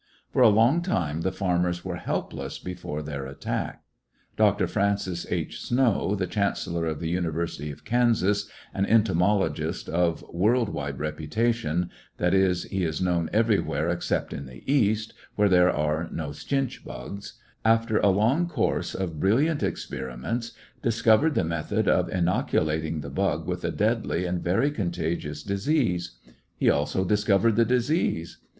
For a long time the farmers were helpless before their attack. A triumph of Dr. Francis H. Snow, the chancellor of the University of Kansas, an entomologist of world wide reputation (that is, he is known everywhere except in the East, where there are no chinch bugs), after a long course of brilliant experiments, discovered the method of inocu lating the bug with a deadly and very conta gious disease ; he also discovered the disease.